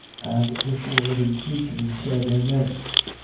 5:14. And the four living creatures said: Amen.